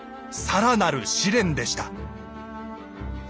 更なる試練でした。